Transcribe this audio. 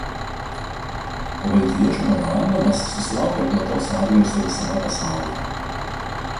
Pabaltijiečių memorandumas susilaukė plataus atgarsio visame pasaulyje.